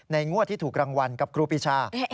งวดที่ถูกรางวัลกับครูปีชา